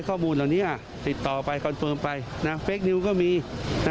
แต่เมื่อวานนี้ลุ้งตู่เรียกประชุมด่วนฮะ